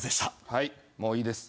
はいもういいです。